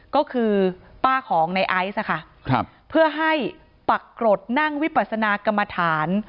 ก็คือป้าของในไอซ์ค่ะเพื่อให้ปักกรดนั่งวิปัสนากรรมฐาน